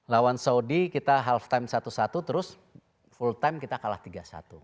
lawan saudi kita half time satu satu terus full time kita kalah tiga satu